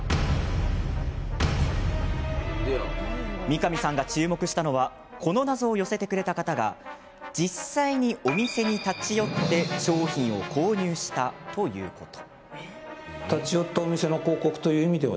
三上さんが注目したのはこの謎を寄せてくれた方が実際にお店に立ち寄って商品を購入したということ。